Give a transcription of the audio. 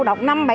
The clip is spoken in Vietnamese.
đọc năm câu